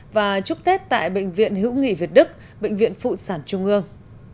và chúc tết tại bệnh viện hữu nghị việt đức bệnh viện phụ sản trung ương